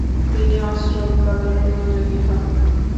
তিনি অস্ত্র উৎপাদনে মনোযোগী হন।